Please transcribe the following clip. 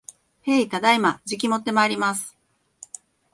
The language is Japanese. へい、ただいま。じきもってまいります